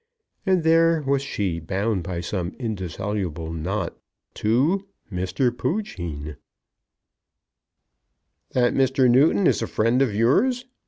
And there was she bound by some indissoluble knot to, Mr. Poojean. "That Mr. Newton is a friend of yours?"